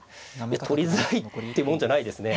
取りづらいってもんじゃないですね。